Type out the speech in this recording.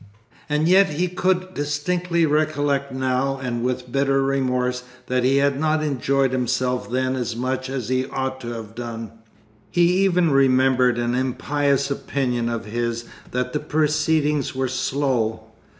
And yet he could distinctly recollect now, and with bitter remorse, that he had not enjoyed himself then as much as he ought to have done; he even remembered an impious opinion of his that the proceedings were "slow."